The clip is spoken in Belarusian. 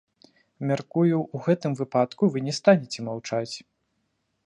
Мяркую, у гэтым выпадку вы не станеце маўчаць?